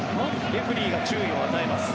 レフェリーが注意を与えます。